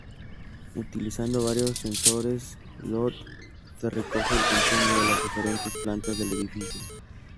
Utilizando varios sensores IoT, se recoge el consumo de las diferentes plantas del edificio.